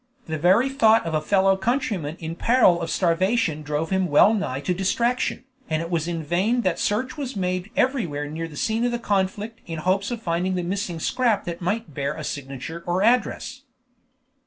The very thought of a fellow countryman in peril of starvation drove him well nigh to distraction, and it was in vain that search was made everywhere near the scene of conflict in hopes of finding the missing scrap that might bear a signature or address.